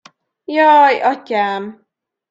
Jaj, atyám!